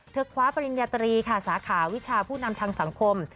คว้าปริญญาตรีค่ะสาขาวิชาผู้นำทางสังคม